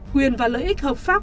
quyền và lợi ích hợp pháp